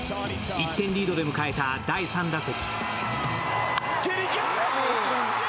１点リードで迎えた第３打席。